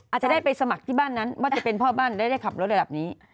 อาจจะได้ไปสมัครที่บ้านนั้นว่าจะเป็นพ่อบ้านได้ขับรถระดับนี้